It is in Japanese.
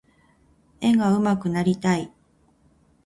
絵が上手くなりたい。